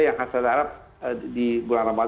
yang khasnya arab di bulan ramadan